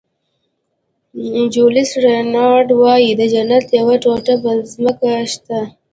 جولیس رینارډ وایي د جنت یوه ټوټه په ځمکه شته.